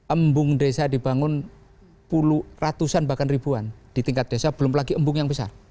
embung desa dibangun puluh ratusan bahkan ribuan di tingkat desa belum lagi embung yang besar